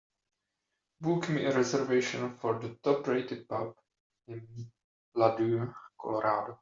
Book me a reservation for a top-rated pub in Ladue, Colorado